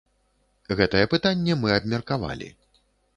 Гэтае пытанне мы абмеркавалі.